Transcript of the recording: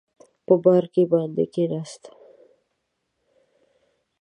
په بارکي باندې کېناست.